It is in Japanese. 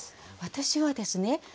私はですね